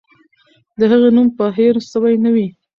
د هغې نوم به هېر سوی نه وي.